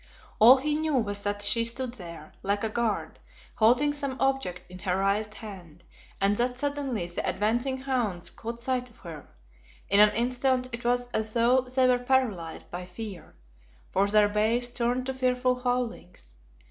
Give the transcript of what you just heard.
All he knew was that she stood there, like a guard, holding some object in her raised hand, and that suddenly the advancing hounds caught sight of her. In an instant it was as though they were paralysed by fear for their bays turned to fearful howlings.